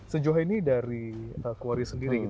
sejauh ini dari kwari sendiri